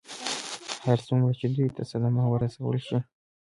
هر څومره چې دوی ته صدمه ورسول شي.